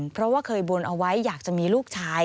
เพราะว่าเคยบนเอาไว้อยากจะมีลูกชาย